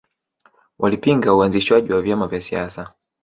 Walipinga uanzishwaji wa vyama vya siasa